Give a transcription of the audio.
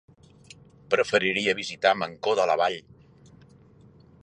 Preferiria visitar Mancor de la Vall.